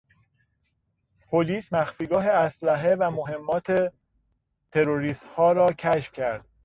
پلیس مخفیگاه اسلحه و مهمات تروریستها را کشف کرد.